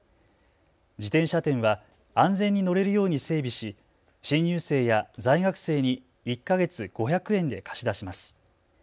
自転車店は安全に乗れるように整備し、新入生や在学生に１か月５００円で貸し出します。